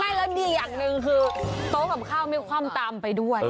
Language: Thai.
ใช่แล้วดีอย่างหนึ่งคือโต๊ะกับข้าวไม่คว่ำตามไปด้วย